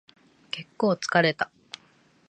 結構疲れた